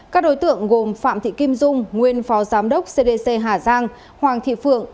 các đối tượng gồm phạm thị kim dung nguyên phó giám đốc cdc hà giang hoàng thị phượng